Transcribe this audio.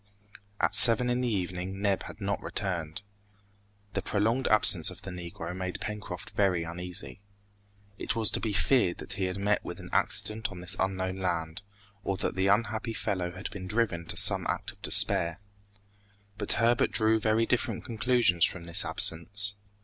At seven in the evening Neb had not returned. The prolonged absence of the Negro made Pencroft very uneasy. It was to be feared that he had met with an accident on this unknown land, or that the unhappy fellow had been driven to some act of despair. But Herbert drew very different conclusions from this absence.